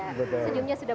senyumnya sudah mahir